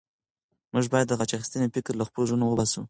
موږ باید د غچ اخیستنې فکر له خپلو زړونو وباسو.